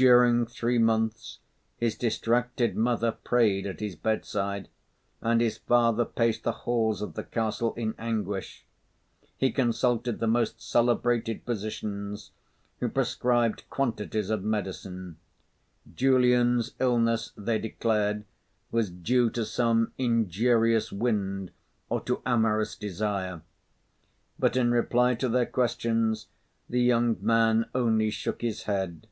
During three months, his distracted mother prayed at his bedside, and his father paced the halls of the castle in anguish. He consulted the most celebrated physicians, who prescribed quantities of medicine. Julian's illness, they declared, was due to some injurious wind or to amorous desire. But in reply to their questions, the young man only shook his head.